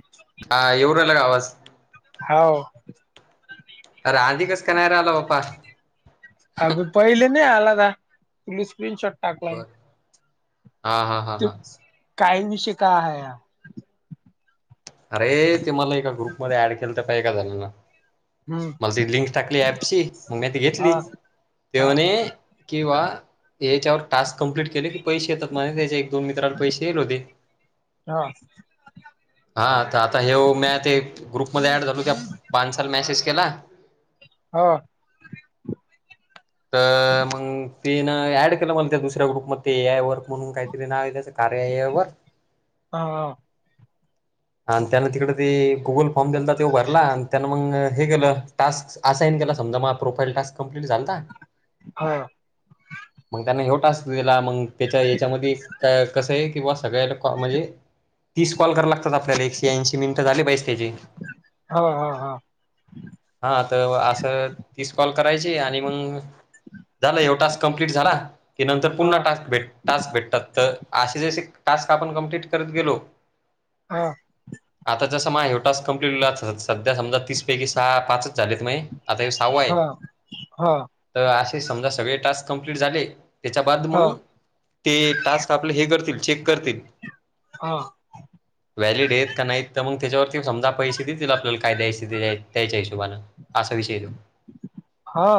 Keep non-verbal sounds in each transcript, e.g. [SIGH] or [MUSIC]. ह. ह एवला का आवाज? हो. अर आधी कस का नाही राहिला बा्पा अभ पहिले न आला तु स्क्रीन शॉट बर हा हा. ते हा काही विषय का आहे. अरे ते मला एका ग्रुपमध्येध्ये ऍड केलं तर पाहिे का झाणना हम्म मला ती लिंक टाकली ऍपची मग मा ती घेतली. हा हा तेवने किंवा याच्यावर टाक कं्प्लीट केले की पैसे येतात मझ त्याच्या एक दोन मित्राला पैसे येल होते. हा. हा तर आता हे मी ते ग्रुपमध्येध्ये ऍड झाल त्या पानसाल मॅसेज केला. हा. तर मग तिन ऍड केलं मला त्या दुसऱ्या ग्रुप मध्ये तेय वर्क म्हणून काहीतरी नाव आहे त्या कार्या हा त्यांना तिकडे ते गुल फॉर्म दिला तर ते भरला आणि त्यान मग हे केलं. टास्क असाईन केला समजा मग प्रोफाईल टास्क कं्लीट झालता. हा. मग त्याने एवटा अस दिला मग त्याच्या याच्यामध्ये कसं आहे किं सगळ्याला कॉल म्हणजे तीस कॉल करा लागतात आपल्याला एक ऐशी मिनट झालीले. हा हा हा. हा तर असं तीच कॉल करायची आणि मग झालं एव टास्क कं्प्लीट झाला की नंतर हा पुन्हा टास्क भेट टास्क भेटतात तर असे जसे टास्क आपण कम्प्लीट करत गेलो. हा. आता जस म एवटाच कं्प्लीट सध्या समजा तीस पैकी सहा पाच झालेत नाही आता हे सावू हा आहे. हा. तर असे समजा सगळे टास्क कं्प्लीट झाले त्याच्या बाद मग हा ते टास्क आपले हे करतील चेक करतील. हा. व्हॅलिड आहेत का नाहीत तर मग त्याच्यावरती समजा पैसे देतील आपल्याला काय द्यायच द्यायच्या हिशोबाानने असा विषय देो. हा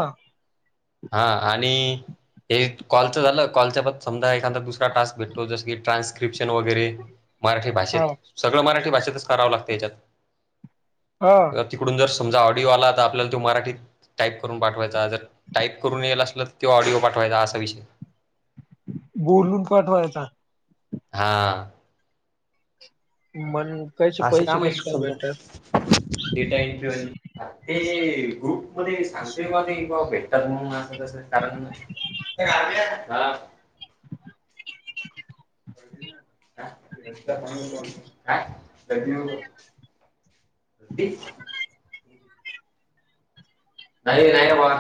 हा आणि हे कॉलच झालं कॉलच्या प समजा. दुरा टास्क भेटतो जस की ट्रान्स्क्रपशन वगैरे मराठी हा भाषेत सगळं मराठी भाषेतच करावं लागतं याच्यात हा. तिकडून जर समजा ऑडिओ आला तर आपल्याला तो मराठीत टाईप करून पाठवायचा जर टाईप करून यायला असल तर तो ऑडिओ पाठवायचा असा विषय बोलून काठवायचा. हा मण कायचे असे पैसे काम आहेत कसे काय समजा भेटतात डेटा एन प्युअल ते ग्रुप मध्ये सांगते का ते बा भेटतात म्हणून कारण हा पणो. [INAUDIBLE] नाही नाही आ.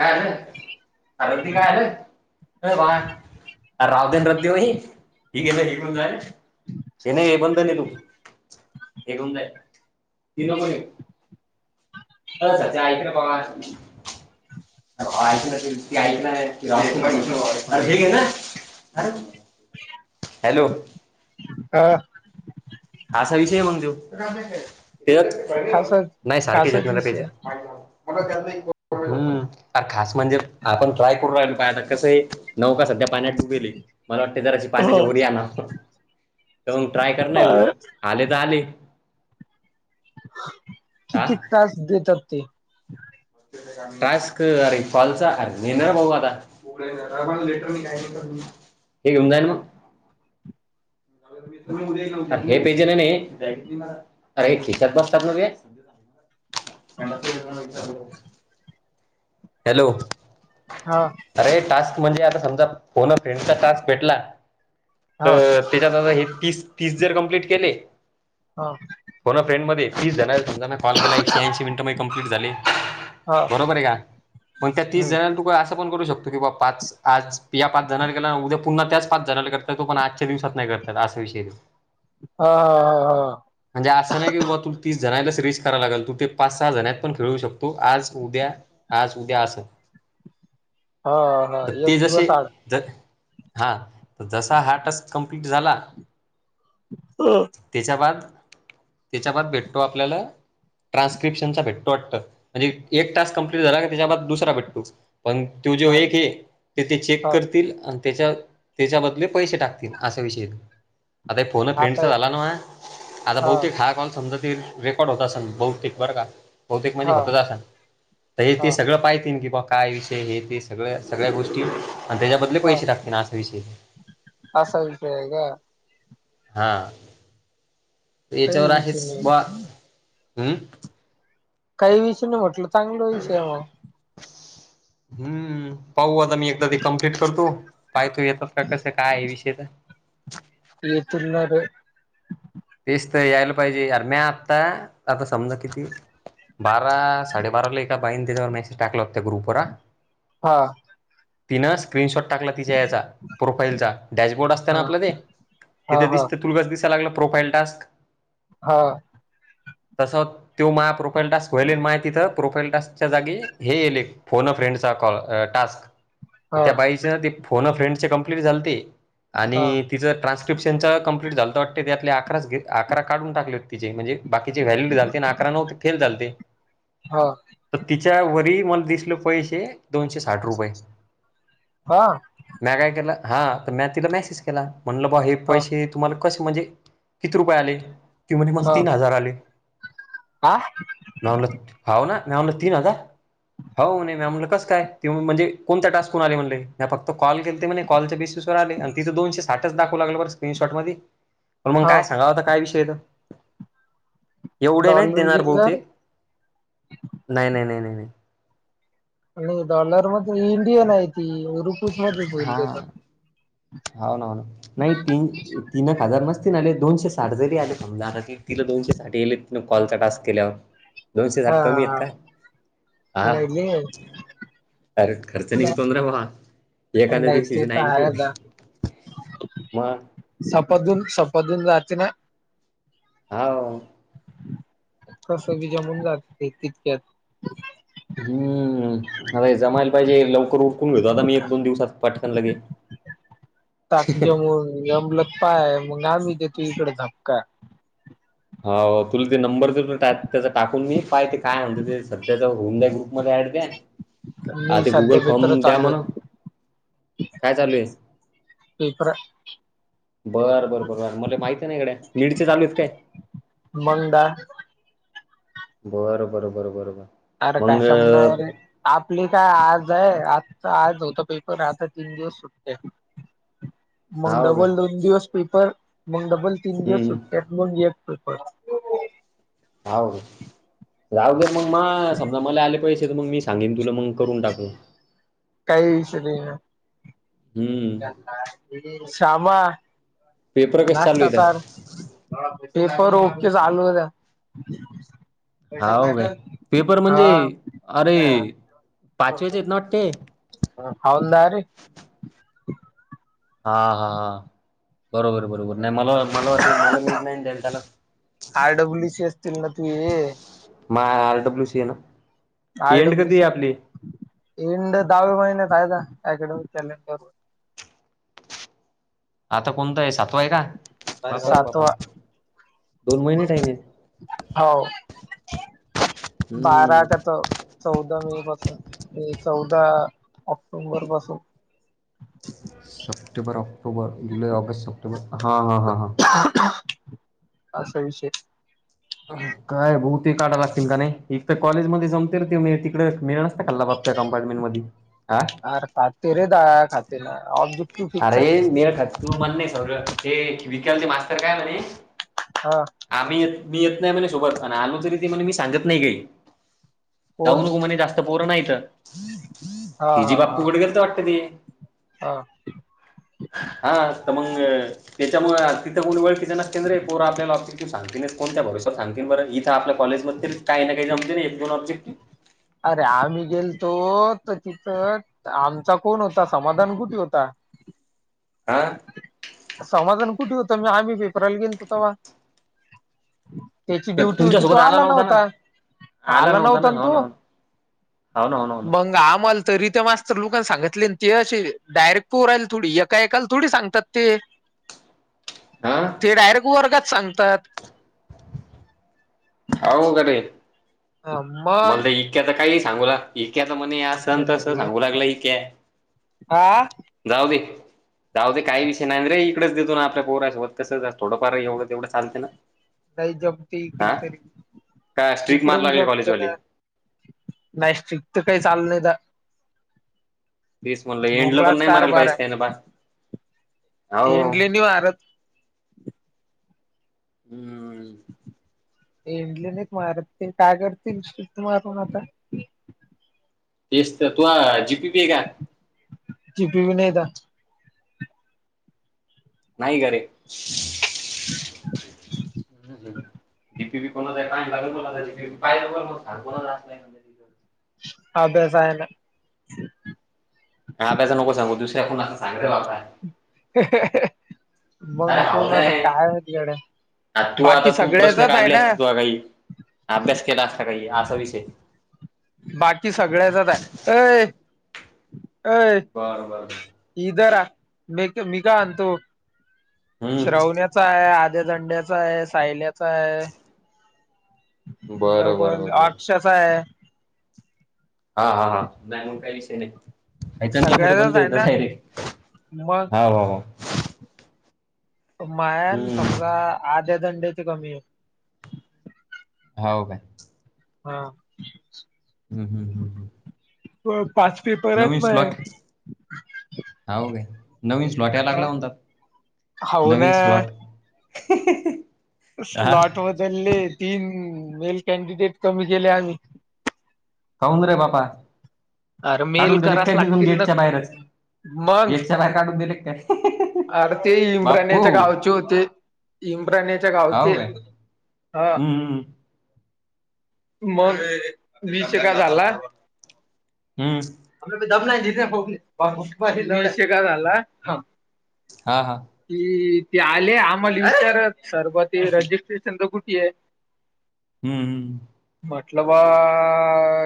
काल अरबती काार हे भाय आर राव देन रद् देऊ ह हेी केेलं हे निघून जाय. हे नाही हे बंध नीलू हे घेऊन जाय ती नको अच ते ऐकलं प ऐक ना [UNINTELLIGIBLE] हॅलो हा असा विषय म्हणजो ते खासाच नाही सारखेच खासाच येतणार विषय पहिज आहे. मला त्यां खास म्हणजे आपण ट्राय करू राहिलो पा आता कसं आहे नऊ का सध्या पाण्यात उबेले मला वाटते जरा अशी हो पाण्याच्या ओरया ना तर मग ट्राय कर ना येऊ अ आले तर आले हा किती तास देतात ते टास्क अरे कॉलचा अरे मी नाही बहु आता हे घेऊन जाय मग हे प्याजेनेने [UNINTELLIGIBLE] हॅलो हा अरे टास्क म्हणजे आता समजा फोन अ फ्रेंडचा टास्क भेटला हा तर त्याच्यात आता हे तीस तीस जर कंप्लीट केले हा फोन अ फ्रेंड मध्ये तीस झा जणांना कॉल केला एकशे ऐंशी मिनट माझे कंप्लीट झाले हा बरोबर आहे का पण त्या तीस हम्म जणां तु असं पण करू शकतो की बा् पाच आज पीया पाच जणाला केला ना उद्या पुन्हा त्याच पाच जणाला करतात तो पण आजच्या दिवसात नाही करतात असा विषय आहे तो हा हा हा हा म्हणजे असं नाही की बाबा तू तीस जणला सि ररीज कराय लागल तू ते पाच सहा जणत पण खेळू शकतो आज उद्या आज उद्या अस हा हा तर ते एक जसे दिवस आड द हा तर जसा हा टास्क कम्प्लीट झाला हम त्याच्या बाद त्याच्या बाद भेटतो आपल्याला ट्रान्सक्रीपश्चन चा भेटतो वाटत म्हणजे एक टास्क कंप्लीट तो झाला की त्याच्या बाद दुसरा भेटतो पण त्यो जे हा एक हे ते चेक हा करतील त्याच्या त्याच्या बदले पैसे टाकतील असा विषयेत आता फोन आता फ्रेंडचा झाला ना आता भाऊ क हा कॉल समजा रेकॉर्ड होत असन बहुतेक बरं का बहुतेक म्हणजे हा होतच असन हे हा ते सगळं पाहतील की बा काय विषय हे ते सगळ्या सगळ्या गोष्टी आणि त्याच्याबद्दल लै हा पैशे टाकतील असा विषय आहे असा विषय हाय का हा काही याच्यावर विषय आहेच नाही ब हम् काही विषय नाही म्हटलं चांगलं विषय मग हम्म पाहुं आत मी एकदा ती कंप्लीट करतो पाहतू येतात का कस काय विषय तर [INAUDIBLE] तेच तर यायला पाहिजे यार नाई आता आता समजा, किती? बारा साडेबाराला एका बाईण त्याच्यावर मेसेज टाकला हो त्या ग्रुप वर हा तिनं स्क्रीनशॉट टाकला तिच्या याचा प्रोफाईलचा डॅशबोर्ड असत ना हा आपलं ते हा तिथे हा दिसत तुला कसा दिसायला लागलं प्रोफाईल टास्क? हा. तसा त्यो माय प्रोफाईल टास्क व्हायल माय तिथं प्रोफाईल टास्क च्या जागी, हे येएले फोन अ फ्रेंड चा कॉल टास्क हा हा त्या बाई तिचे आधी फोन आ फ्रेंड चे कम्प्लिट झालते हा आणि तिंच ट्रान्सस्क्रीप्शन च कंप्लीट झालंते वाटते त्यातल्या अकरा अकरा, अकरा काढून टाकलेत तिचे म्हणजे बाकीचे व्हॅलिड झालते आणि अकरा नव्हते, फेल झालते हा. तर तिच्या वरी मला दिसले पैसे दोनशे साठ रुपये हा. म्या काय केलं, हा तर मी तिला मेसेज केला, म्हणलं बा हे पैसे तुम्हाला कसे म्हणजे? किती रुपये आले? ती म्हणते मला तीन हजार आले. आं? हव ना मॅ म्हणलं तीन हजार? हो म्हणी, मी म्हणलं कस काय? ती म्हणजे कोणत्या टास्क होून आले म्हणले? म्या फक्त कॉल केलते म्हणे कॉलच्या बेसि स आणि तिथ दोनशे साठच दावू लागले बर स्क्रीनशॉट मध्ये बर मग काय हा तर आता काय विषयेत? एवढे नाहीत डॉलर देणार घेऊन जा रे बहुतेक नाही नाही नाही आणि डॉलर मध्ये इंडियन आहे ती रुपिस मध्येच होईल तेेत हा हो ना, नाही तीन तीनक हजार म दोनशे साठ जरी आले, समजा तिला दोनशे साठ येयेले तिला कॉलचा टास्क केल्यावर दोनशे हा साठ कमी आहेत का? हा ह अर खर्च निघतों नारे भावा नाही एखादा नाही ते दिवसाचे तर नाईंटी आहे होते. मग सपादून सपादून जात ना हो. कसं वि जमून जाते तितक्यात हम्म. अर जमायला पाहिजे लवकर उरकून घेतो आता मी एक दोन दिवसात पटकन लगेच त जे [UNINTELLIGIBLE] एल [UNINTELLIGIBLE] पाय मग अजून देतो इकडे धपका हो तुला ते नंबर देतो त्यात टाकून मी काय ते काय म्हणत ते सध्याच होम द्या ग्रुप मध्ये ऍड द्या आ मी ते गुगल सध्या पेपर फॉर्म द्या चालू म्हणा, आहेत काय चालू आहे? इप [UNINTELLIGIBLE] बरं बरं बर बर मले माहिती आहे ना गडे, मिडचे चालू आहेत काय? मंडा बर बर बर बर बर अरे कशमनार [UNINTELLIGIBLE] आपली काय आज आहे, आज होतं पेपर आता तीन दिवस सुट्टी [UNINTELLIGIBLE] मग काय? डबल दोन दिवस पेपर, मग डबल तीन हं, दिवस हं. सुट्ट्या, मग एक पेपर हवं जाऊ दे मग म समजा मला आले पैसे तर मग मी सांगेन तुला मग करून टाकू. काही विषय नाइ ये हं. शामा पेपर कसे चालू नाष्टा आहेत? चार. पेपर ओके चालू द्या हा काय पेपर म्हणजे हा. अरे पाचव्याचे आहेत वाटते ह होाल द र [UNINTELLIGIBLE] ह हा हा हा बरोबर बरोबर नाही मला मला वाटलं मला मीठ नाही द्याल त्याला आर डब्ल्यू सी असतील ना तू ये मा आरडब्ल्यु सी ये ना आय एंड कधी डब्ल्यूसी आहे आपली एंड दहावे महिन्यात कायदा अॅडमिक कॅलेंडर व आता कोणतं आहे सातवा आहे का र बापा रे बापा सातवा दोन महिने टाईम आहे हो बारा का हम्म तो चौदा मे पासून ते चौदा ऑक्टोंबर पासून सप्टेंबर ऑक्टोबर जुलै ऑगस्ट सप्टेंबर हा हा हा हा असा विषय काय बह ते काढाय लागतील का नाही एक तर कॉलेजमध्येध्ये जमते र ते मी इडे मिळ नसता क बाप त्या कमपार्टमेंट मध्ये ह तेरे दाया खात ना अ ज अरे मेळ खात तू म्हण नाही सौर हेि विकल चे मास्तर काय म्हणे हा आम्ही येत मी येत नाही म्हणे सोबत ख आणि आलू तररीिे म्हणे मी सांगत नाही काही कोण जाऊनघ म्हणे जास्त पोरं नाहीत हा हि जी हा हा बाप्पूकड गेरी तर वाटते त हा हा तर मग त्याच्यामु तिथं कोणी वळ किच्या नस केंद्र आहे पोरा आपल्याला ऑफि त सांगतेस कोण्या भरोसात सांग बरं इथं आपल्या कॉज ममध्ये काही नाही का जमते ना एको ब्जेक्ट अरे आम्ही गेलतो तर तिथं आमचा कोण होता समाधान कुठे होता आह समाधान कुठे होतंण आम्ही पेपराला गेलो ते्हा त्याची तर ड्युटी होती तो तुमच्यासोबत आला ना नव्हता आला ना नव्हता न हो ना तो हो ना हो ना हो ना हो बंग आमल तरी ते मस्तर लोकां सगितले ते असे डायरेक्ट पो राहिल थोडी एका एका थोडी सांगतात ते ना ते डायरेक्ट वर्गात सांगतात ह मग का रे मला मग ते इतक्याच काही नाही सांगूला इक्या तर म्हणे या संत अस सांगू लागलं इक्या हा जाऊ दे जाऊ ते काही विषय नाही रे इकडेच देतो आपल्या पोरासोबत कसं थोडंफार एवढं तेवढं चालं ना नाही जमते इकड हा तरी का स्ट्रीक इकडे मार मी लागले जमते कॉलेजवाले ना नाही स्टिक तर काही चाल नाही तर तेच म्हणलं एंडला पण भोंगळाच नाही मारायला कारबार पाहिजे त्यानं बा आहे हो इंडलेनी भारत हम्म इंडलन एक मारत ते काय करतील श मारण आता तेस तर तू जीपी पी का टि पी नाहीता नाही घरे कोणा पाणी लागून बा नाही अभ्यास आहे ना हा ब्याच नको सांगू दुसऱ्याण असंांग मग कोण तर काय हो तिकडे आ तू आता तू प्रश्न काढले असते तु काही अभ्यास केला असता काही असा विषय बाकी सगळ्याचाच आहे अय अय बरं बरं बर इर मघ मघ अंतु हम्म. श्रवण्याचा आहे आध्या दंड्याचा आहे सायल्याचा आहे बरं बरं बर [UNINTELLIGIBLE] बर अक्ष्याचाय हा हा हा नाही मग काय विषय नाही याच्यातनं कुठ सगळ्याचाच बंद आहे येतय ना डायरेकट मग हाव हाव मायान समजा हम्म आध्या दंड्याच कमी आय हावो काय. हा. हम् -हम्म- हम्- प पाच पेपर आहेत माये. हाव काय नवीन स्लॉट याला लागला म्हणतात. हावो ना नवीन स्लॉट [UNINTELLIGIBLE] हा स्लॉट बदलले तीन मेल कँडीडेट कमी केले आम्ही. कौन रे बाबा? अरे मेल काढून दिले कराच काय तिथून लागतील ना गेटच्या बाहेरच मग गेटच्या बाहेर काढून दिले की काय? अरे ते बापू इम्राण्याच्या गावचे होते इम्राण्याच्या हाव गावचे काय ह हम्म हम मग विषय काय झाला? हम्. [UNINTELLIGIBLE] विषय काय झाला हां -हां. कि ते आले आम्हाला विचारत सर ब ते रजिस्ट्रेशन च कुठे आहे? हम्म -हम् म्हटलं बा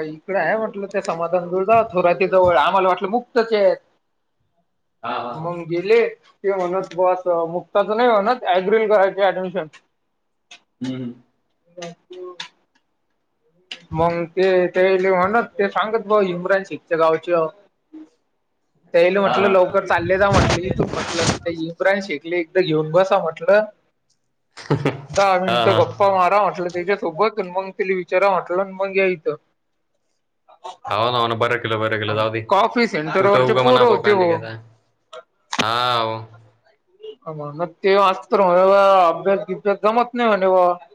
इकडं आहे म्हटलं. ते समाधान मिळ जा थोराती जवळ आम्हाला वाटलं मुक्तचे आहेत हम्म हा हा हा मग गेले? ते म्हणत बस मुक्ताच नाही म्हणत ॲग्रिल करायची ऍडमिशन हम्म [UNINTELLIGIBLE] मग ते तेले म्हणत ते सांगत भाव इमरान शेखच्या गावचे आहोत त्याल हा म्हटलं हा लो लोक चालले जा म्हटलं इथून म्हटलं ते इम्रान शेकले एकदा घेऊन बसा म्हटलं दहा हा मिनटं हा गप्पा मारा म्हटलं त्याच्यासोबत मग तेले विचारा म्हटल मग या इथ हो ना हो ना बरं केलं बरं केलं जाऊ दे कुठं सेंटरवरचे उगं पोर मणा होते बोकांडी हो. घेताय हा वो ते आज तर म्हण अभ्यास बिभ्यास जमत नाही म्हणे भावा -